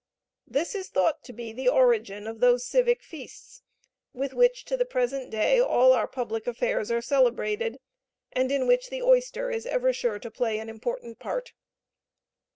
This is thought to be the origin of those civic feasts with which, to the present day, all our public affairs are celebrated, and in which the oyster is ever sure to play an important part.